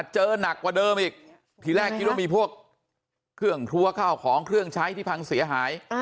หนักกว่าเดิมอีกทีแรกคิดว่ามีพวกเครื่องครัวข้าวของเครื่องใช้ที่พังเสียหาย